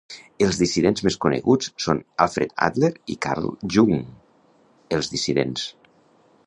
"Els dissidents més coneguts són Alfred Adler i Carl Jung...Els Dissidents".